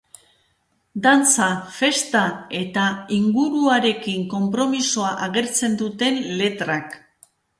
Dantza, festa eta inguruarekin konpromisoa agertzen duten letrak.